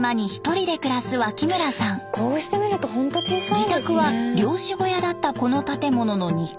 自宅は漁師小屋だったこの建物の２階。